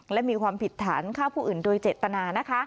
และมีความผิดฐานข้าวผู้อื่นโดยเจตนา